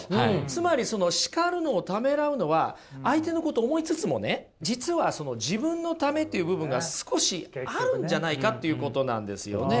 つまりその叱るのをためらうのは相手のことを思いつつもね実はその自分のためという部分が少しあるんじゃないかということなんですよね。